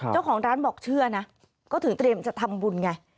เจ้าของร้านบอกเชื่อนะก็ถึงเตรียมจะทำบุญไง